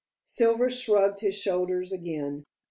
Silver shrugged his shoulders again.